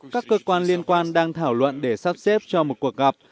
các cơ quan liên quan đang thảo luận để sắp xếp cho một cuộc gặp